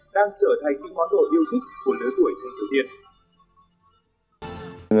đang trở thành những món đồ yêu thích của lứa tuổi thường thực hiện